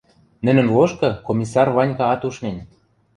Нӹнӹн лошкы Комиссар Ванькаат ушнен.